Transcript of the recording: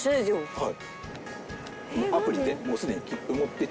はい。